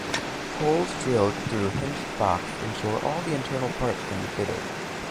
Holes drilled through hinged box ensure all the internal parts can be fitted.